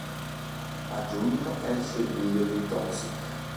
A giugno esce il video di "Toxic".